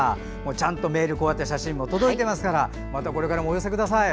ちゃんとメール、写真も届いていますからまたこれからもお寄せください。